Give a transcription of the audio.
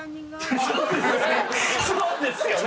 そうですよね。